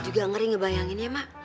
juga ngeri ngebayangin ya mak